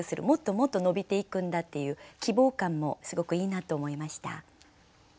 もっともっと伸びていくんだっていう希望感もすごくいいなと思いました。